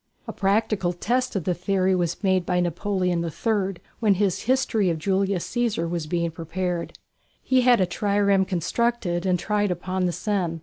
A practical test of the theory was made by Napoleon III when his "History of Julius Cæsar" was being prepared. He had a trireme constructed and tried upon the Seine.